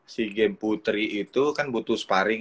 si game putri itu kan butuh sparing